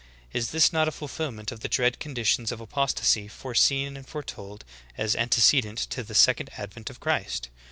Is this not a ful filment of the dread conditions of apostasy foreseen and foretold as antecedent to the second advent of Christ